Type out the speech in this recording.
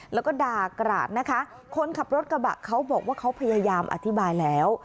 แล้วก็ด่ากราดนะคะคนขับรถกระบะเขาบอกว่าเขาพยายามอธิบายแล้ว